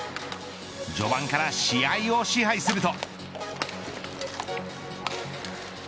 序盤から試合を支配すると。